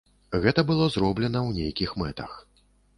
Гэта было зроблена ў нейкіх мэтах.